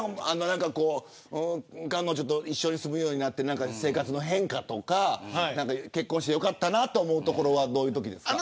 彼女と一緒に住むようになって何か生活の変化とか結婚してよかったと思うところはどういうときですか。